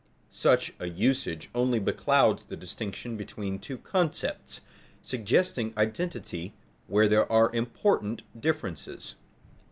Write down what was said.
Such a usage only beclouds the distinction between two concepts, suggesting identity where there are important differences.